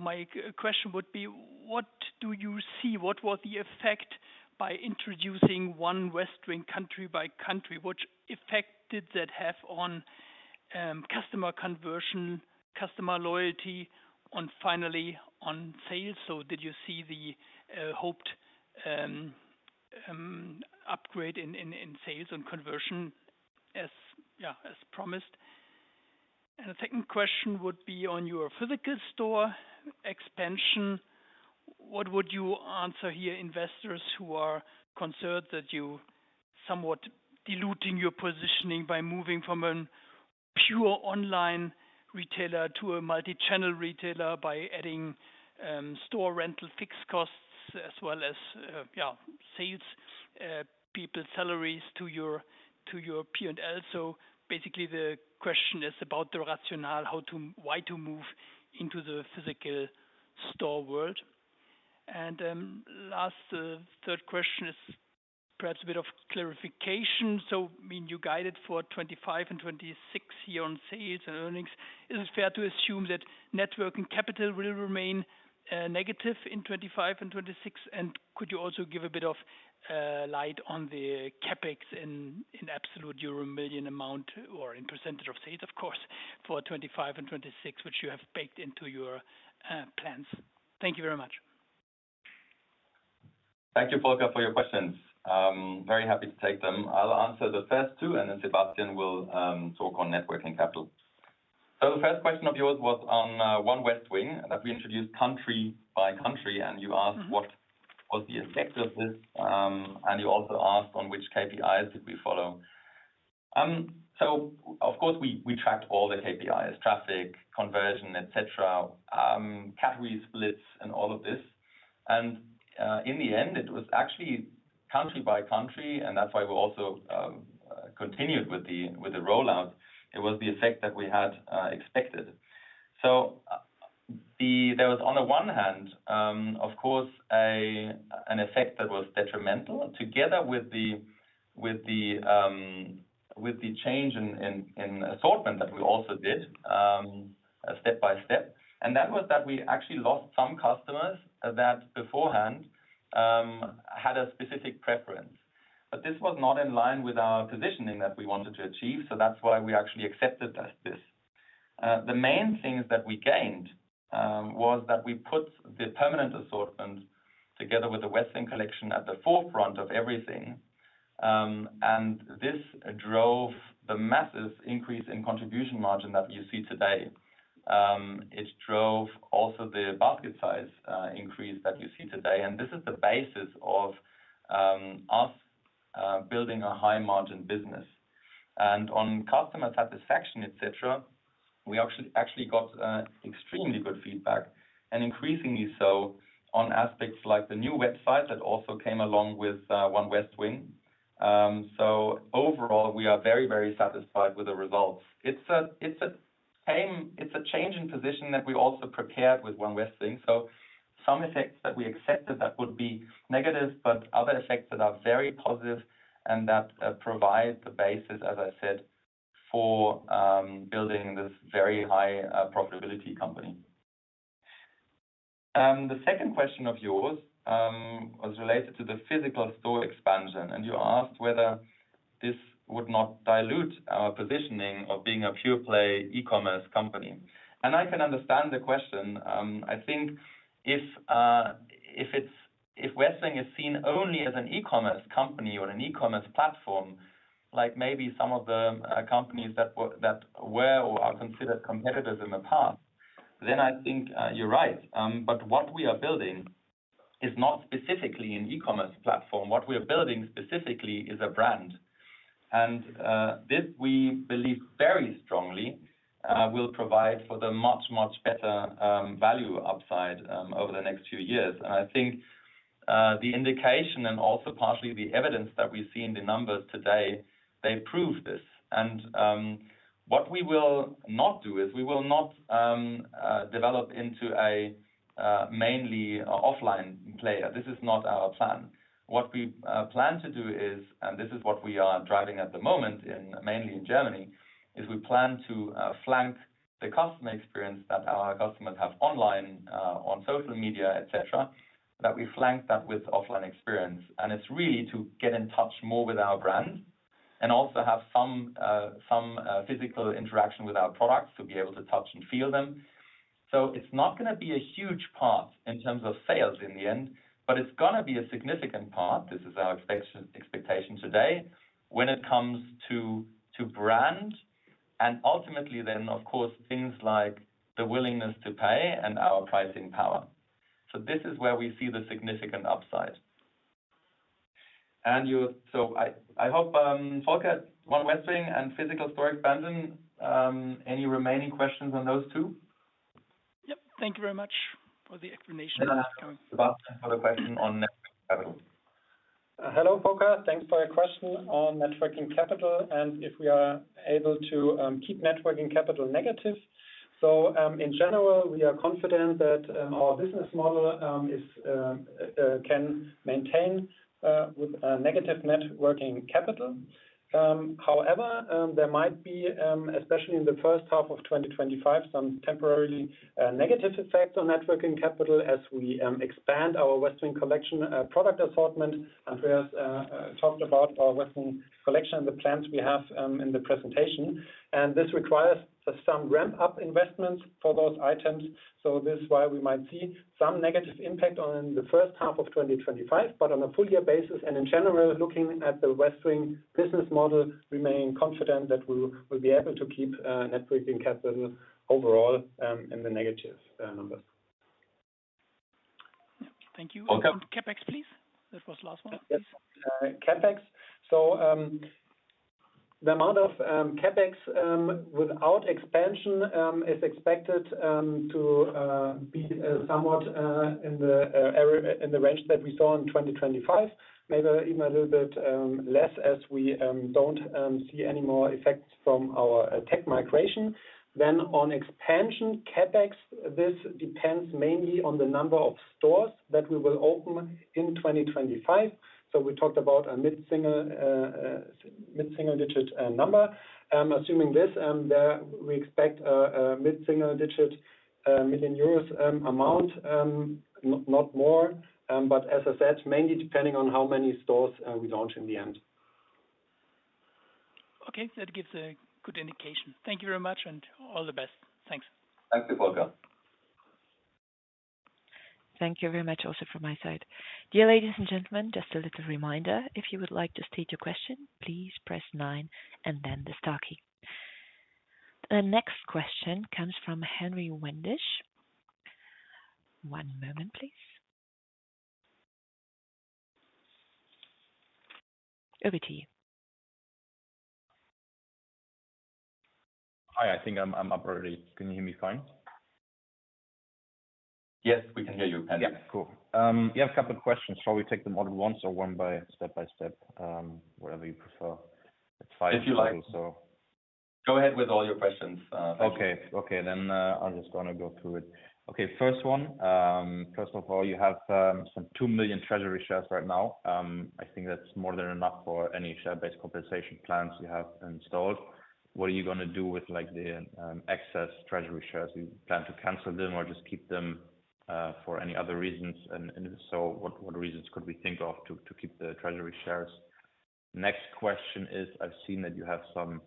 My question would be, what do you see? What was the effect by introducing One Westwing country by country? What effect did that have on customer conversion, customer loyalty, and finally on sales? Did you see the hoped upgrade in sales and conversion as promised? The second question would be on your physical store expansion. What would you answer here, investors, who are concerned that you somewhat diluted your positioning by moving from a pure online retailer to a multi-channel retailer by adding store rental fixed costs as well as salespeople salaries to your P&L? Basically, the question is about the rationale, why to move into the physical store world. Last, the third question is perhaps a bit of clarification. You guided for 2025 and 2026 year-on sales and earnings. Is it fair to assume that working capital will remain negative in 2025 and 2026? Could you also give a bit of light on the CapEx in absolute euro million amount or in percentage of sales, of course, for 2025 and 2026, which you have baked into your plans? Thank you very much. Thank you, Volker, for your questions. Very happy to take them. I'll answer the first two, and then Sebastian will talk on working capital. The first question of yours was on One Westwing that we introduced country by country, and you asked what was the effect of this, and you also asked on which KPIs did we follow. Of course, we tracked all the KPIs, traffic, conversion, etc., category splits, and all of this. In the end, it was actually country by country, and that's why we also continued with the rollout. It was the effect that we had expected. There was, on the one hand, of course, an effect that was detrimental together with the change in assortment that we also did step by step. That was that we actually lost some customers that beforehand had a specific preference. This was not in line with our positioning that we wanted to achieve, so that's why we actually accepted this. The main things that we gained was that we put the permanent assortment together with the Westwing Collection at the forefront of everything. This drove the massive increase in contribution margin that you see today. It drove also the basket size increase that you see today. This is the basis of us building a high-margin business. On customer satisfaction, etc., we actually got extremely good feedback, and increasingly so on aspects like the new website that also came along with One Westwing. Overall, we are very, very satisfied with the results. It's a change in position that we also prepared with One Westwing. Some effects that we accepted would be negative, but other effects are very positive and provide the basis, as I said, for building this very high-profitability company. The second question of yours was related to the physical store expansion, and you asked whether this would not dilute our positioning of being a pure-play e-commerce company. I can understand the question. I think if Westwing is seen only as an e-commerce company or an e-commerce platform, like maybe some of the companies that were or are considered competitors in the past, then I think you're right. What we are building is not specifically an e-commerce platform. What we are building specifically is a brand. This, we believe very strongly, will provide for the much, much better value upside over the next few years. I think the indication and also partially the evidence that we see in the numbers today, they prove this. What we will not do is we will not develop into a mainly offline player. This is not our plan. What we plan to do is, and this is what we are driving at the moment, mainly in Germany, we plan to flank the customer experience that our customers have online, on social media, etc., that we flank that with offline experience. It is really to get in touch more with our brand and also have some physical interaction with our products to be able to touch and feel them. It is not going to be a huge part in terms of sales in the end, but it is going to be a significant part. This is our expectation today when it comes to brand. Ultimately, of course, things like the willingness to pay and our pricing power. This is where we see the significant upside. I hope, Volker, one Westwing and physical store expansion, any remaining questions on those two? Yes. Thank you very much for the explanation. Sebastian, for the question on working capital. Hello, Volker. Thanks for your question on working capital. If we are able to keep working capital negative. In general, we are confident that our business model can maintain with negative working capital. However, there might be, especially in the first half of 2025, some temporary negative effects on working capital as we expand our Westwing Collection product assortment. Andreas talked about our Westwing Collection and the plans we have in the presentation. This requires some ramp-up investments for those items. This is why we might see some negative impact on the first half of 2025, but on a full-year basis. In general, looking at the Westwing business model, we are confident that we will be able to keep working capital overall in the negative numbers. Thank you. CapEx, please. That was the last one. CapEx. The amount of CapEx without expansion is expected to be somewhat in the range that we saw in 2025, maybe even a little bit less as we do not see any more effects from our tech migration. On expansion CapEx, this depends mainly on the number of stores that we will open in 2025. We talked about a mid-single digit number. Assuming this, we expect a mid-single digit million euro amount, not more, but as I said, mainly depending on how many stores we launch in the end. Okay. That gives a good indication. Thank you very much and all the best. Thanks. Thank you, Volker. Thank you very much also from my side. Dear ladies and gentlemen, just a little reminder. If you would like to state your question, please press nine and then the star key. The next question comes from Henry Wendisch. One moment, please. Over to you. Hi. I think I'm up already. Can you hear me fine? Yes, we can hear you, Andreas. Yeah, cool. We have a couple of questions. Shall we take them all at once or one by step by step, whatever you prefer? It's fine if you like. Go ahead with all your questions. Okay. Okay. Then I'm just going to go through it. Okay. First one. First of all, you have some two million treasury shares right now. I think that's more than enough for any share-based compensation plans you have installed. What are you going to do with the excess treasury shares? You plan to cancel them or just keep them for any other reasons? If so, what reasons could we think of to keep the treasury shares? Next question is, I've seen that you have some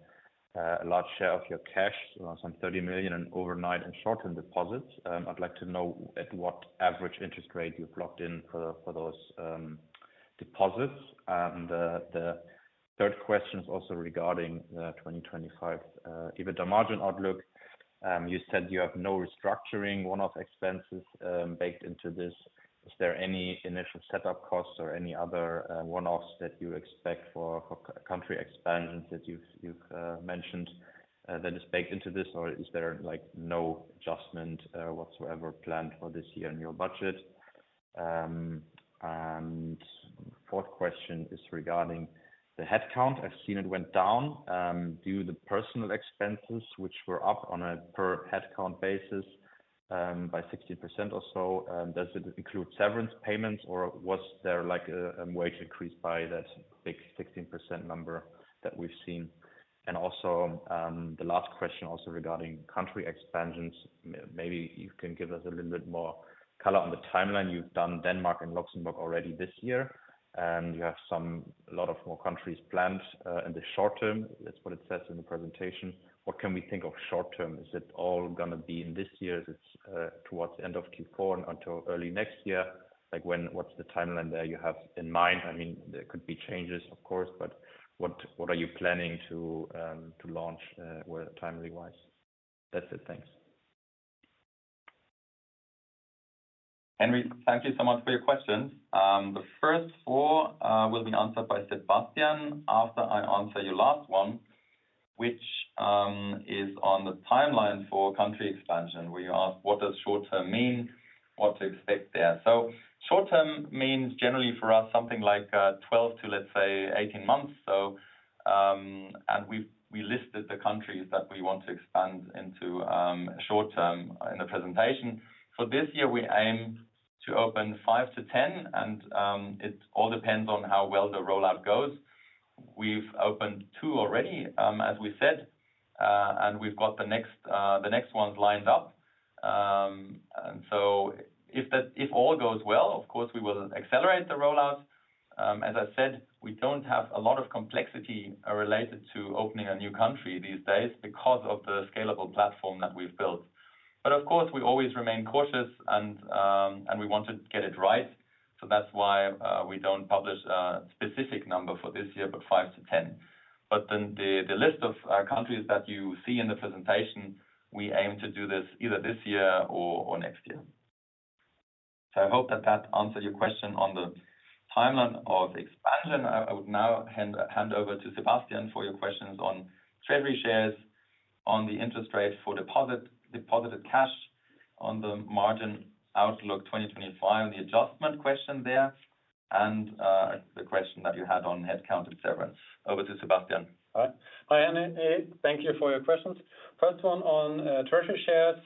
large share of your cash, some 30 million in overnight and short-term deposits. I'd like to know at what average interest rate you've locked in for those deposits. The third question is also regarding the 2025 EBITDA margin outlook. You said you have no restructuring. One-off expenses baked into this. Is there any initial setup costs or any other one-offs that you expect for country expansions that you've mentioned that is baked into this, or is there no adjustment whatsoever planned for this year in your budget? The fourth question is regarding the headcount. I've seen it went down. Do the personnel expenses, which were up on a per headcount basis by 16% or so, does it include severance payments, or was there a wage increase by that big 16% number that we've seen? Also, the last question regarding country expansions. Maybe you can give us a little bit more color on the timeline. You have done Denmark and Luxembourg already this year. You have a lot more countries planned in the short term. That is what it says in the presentation. What can we think of as short term? Is it all going to be in this year? Is it towards the end of Q4 and until early next year? What is the timeline there you have in mind? I mean, there could be changes, of course, but what are you planning to launch timely-wise? That is it. Thanks. Henry, thank you so much for your questions. The first four will be answered by Sebastian after I answer your last one, which is on the timeline for country expansion, where you asked what does short term mean, what to expect there. Short term means generally for us something like 12 to, let's say, 18 months. We listed the countries that we want to expand into short term in the presentation. For this year, we aim to open five to 10, and it all depends on how well the rollout goes. We've opened two already, as we said, and we've got the next ones lined up. If all goes well, of course, we will accelerate the rollout. As I said, we don't have a lot of complexity related to opening a new country these days because of the scalable platform that we've built. Of course, we always remain cautious, and we want to get it right. That's why we don't publish a specific number for this year, but five to 10. The list of countries that you see in the presentation, we aim to do this either this year or next year. I hope that answered your question on the timeline of expansion. I would now hand over to Sebastian for your questions on treasury shares, on the interest rate for deposited cash, on the margin outlook 2025, the adjustment question there, and the question that you had on headcount, etc. Over to Sebastian. Hi, Henry. Thank you for your questions. First one on treasury shares.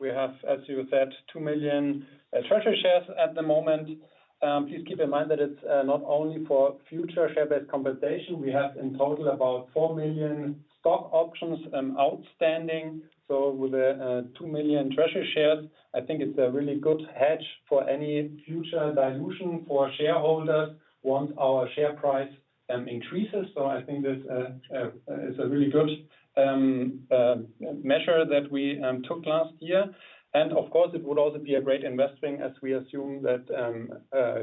We have, as you said, two million treasury shares at the moment. Please keep in mind that it is not only for future share-based compensation. We have in total about four million stock options outstanding. With two million treasury shares, I think it is a really good hedge for any future dilution for shareholders once our share price increases. I think this is a really good measure that we took last year. Of course, it would also be a great investment as we assume that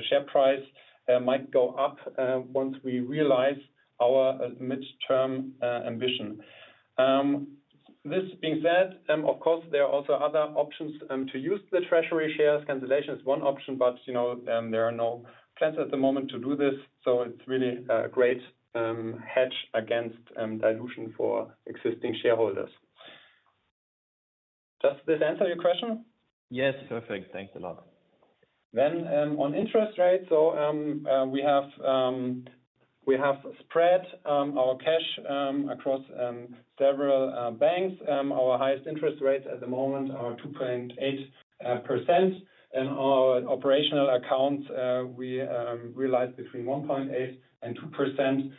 share price might go up once we realize our midterm ambition. This being said, of course, there are also other options to use the treasury shares. Cancellation is one option, but there are no plans at the moment to do this. It is really a great hedge against dilution for existing shareholders. Does this answer your question? Yes. Perfect. Thanks a lot. On interest rates, we have spread our cash across several banks. Our highest interest rates at the moment are 2.8%. On our operational accounts, we realize between 1.8% and 2%.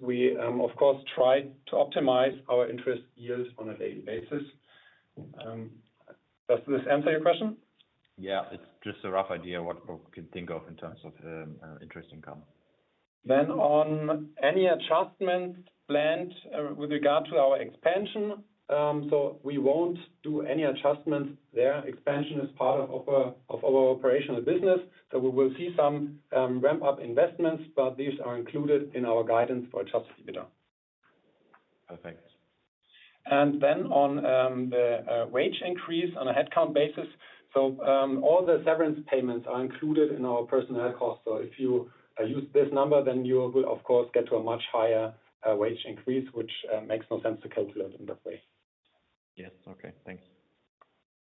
We, of course, try to optimize our interest yield on a daily basis. Does this answer your question? Yeah It's just a rough idea of what we can think of in terms of interest income. On any adjustments planned with regard to our expansion, we won't do any adjustments there. Expansion is part of our operational business. We will see some ramp-up investments, but these are included in our guidance for adjusted EBITDA. Perfect. On the wage increase on a headcount basis, all the severance payments are included in our personnel costs. If you use this number, then you will, of course, get to a much higher wage increase, which makes no sense to calculate in that way. Yes. Okay. Thanks.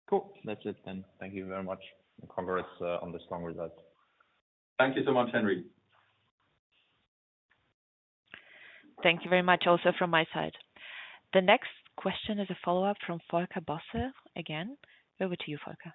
Cool. That's it then. Thank you very much. Congrats on the strong results. Thank you so much, Henry. Thank you very much also from my side. The next question is a follow-up from Volker Bosse. Again, over to you, Volker. Yeah.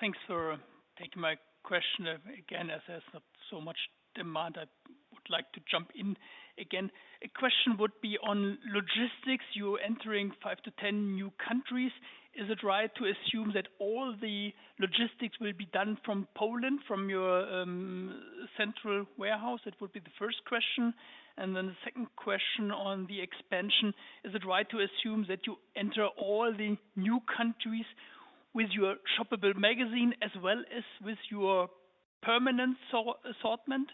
Thanks for taking my question. Again, as there's not so much demand, I would like to jump in again. A question would be on logistics. You're entering five to ten new countries. Is it right to assume that all the logistics will be done from Poland, from your central warehouse? That would be the first question. The second question on the expansion. Is it right to assume that you enter all the new countries with your Shoppable Magazine as well as with your permanent assortment?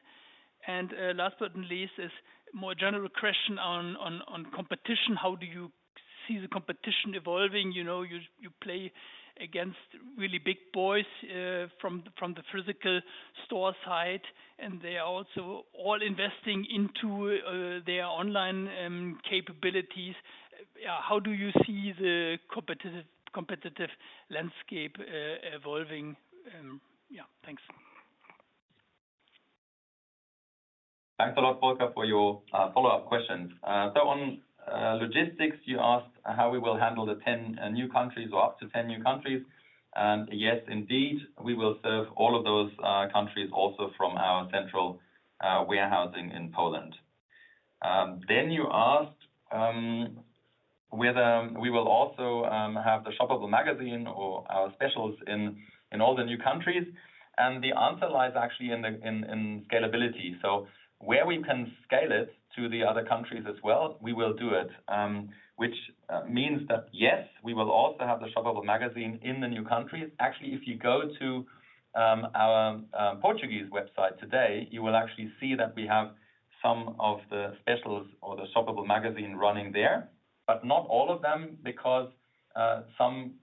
Last but not least, is a more general question on competition. How do you see the competition evolving? You play against really big boys from the physical store side, and they are also all investing into their online capabilities. How do you see the competitive landscape evolving? Yeah. Thanks. Thanks a lot, Volker, for your follow-up questions. On logistics, you asked how we will handle the 10 new countries or up to 10 new countries. Yes, indeed, we will serve all of those countries also from our central warehousing in Poland. You asked whether we will also have the Shoppable Magazine or our specials in all the new countries. The answer lies actually in scalability. Where we can scale it to the other countries as well, we will do it, which means that, yes, we will also have the Shoppable Magazine in the new countries. Actually, if you go to our Portuguese website today, you will actually see that we have some of the specials or the Shoppable Magazine running there, but not all of them because some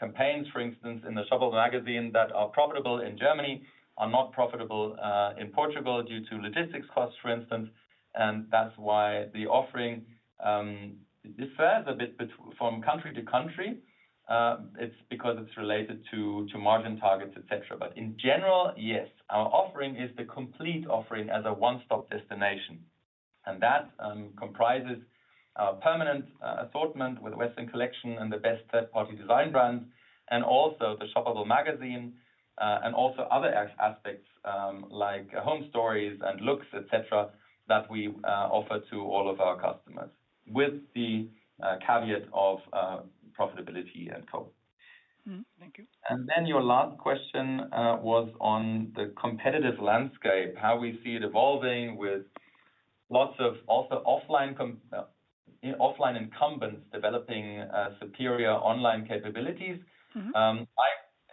campaigns, for instance, in the Shoppable Magazine that are profitable in Germany are not profitable in Portugal due to logistics costs, for instance. That is why the offering differs a bit from country to country. It is because it is related to margin targets, etc. In general, yes, our offering is the complete offering as a one-stop destination. That comprises our permanent assortment with Westwing Collection and the best third-party design brands, and also the Shoppable Magazine, and also other aspects like home stories and looks, etc., that we offer to all of our customers with the caveat of profitability and co. Thank you. Your last question was on the competitive landscape, how we see it evolving with lots of also offline incumbents developing superior online capabilities. I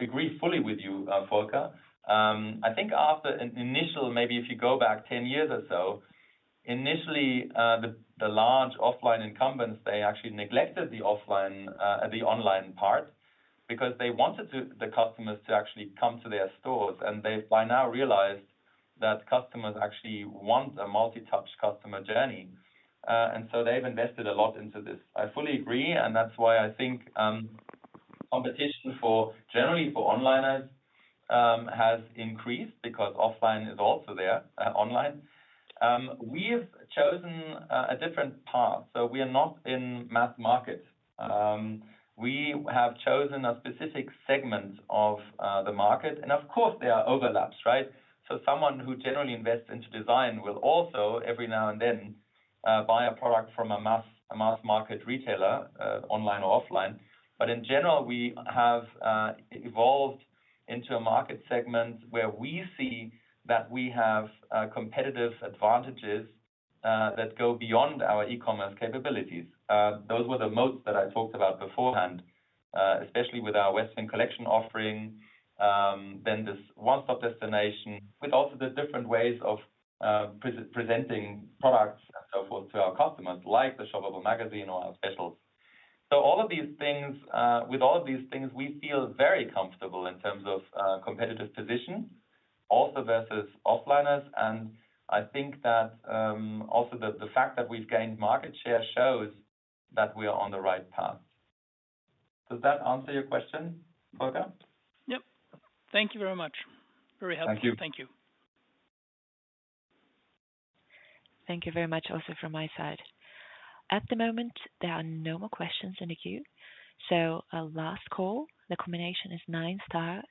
agree fully with you, Volker. I think after an initial, maybe if you go back 10 years or so, initially, the large offline incumbents, they actually neglected the online part because they wanted the customers to actually come to their stores. They have by now realized that customers actually want a multi-touch customer journey. They have invested a lot into this. I fully agree. That is why I think competition generally for onliners has increased because offline is also there, online. We have chosen a different path. We are not in mass market. We have chosen a specific segment of the market. Of course, there are overlaps, right? Someone who generally invests into design will also every now and then buy a product from a mass market retailer, online or offline. In general, we have evolved into a market segment where we see that we have competitive advantages that go beyond our e-commerce capabilities. Those were the moats that I talked about beforehand, especially with our Westwing Collection offering, then this one-stop destination with also the different ways of presenting products and so forth to our customers, like the Shoppable Magazine or our specials. All of these things, with all of these things, we feel very comfortable in terms of competitive position, also versus offliners. I think that also the fact that we've gained market share shows that we are on the right path. Does that answer your question, Volker? Yep. Thank you very much. Very helpful. Thank you. Thank you. Thank you very much also from my side. At the moment, there are no more questions in the queue. Our last call, the combination is nine star.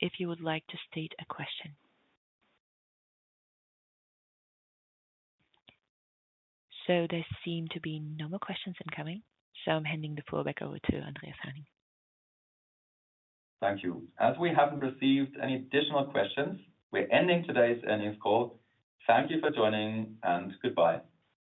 If you would like to state a question. There seem to be no more questions incoming. I'm handing the floor back over to Andreas Hoerning. Thank you. As we haven't received any additional questions, we're ending today's earnings call. Thank you for joining, and goodbye.